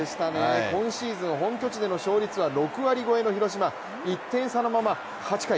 今シーズン本拠地での勝率は６割超えの広島、１点差のまま、８回。